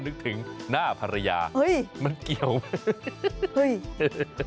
นึกถึงหน้าภรรยามันเกี่ยวไหม